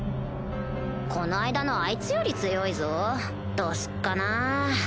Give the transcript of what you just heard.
この間のあいつより強いぞどうすっかな